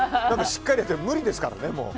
しっかりやっても無理ですからね、もう。